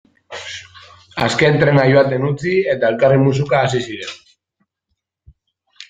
Azken trena joaten utzi eta elkarri musuka hasi ziren.